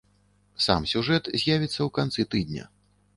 Сам сюжэт з'явіцца ў канцы тыдня.